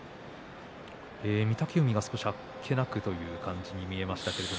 御嶽海がちょっとあっけなくという感じに見えましたね。